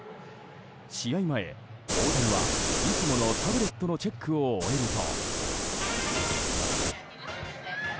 試合前、大谷はいつものタブレットのチェックを終えると。